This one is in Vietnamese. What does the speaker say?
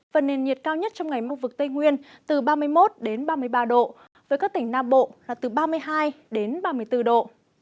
và nền nhiệt cao nhất trong ngày mông vực tây nguyên từ ba mươi một đến ba mươi ba độ với các tỉnh nam bộ là từ ba mươi hai đến ba mươi bốn độ